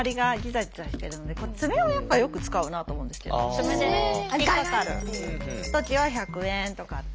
爪で引っかかる時は１００円とかって。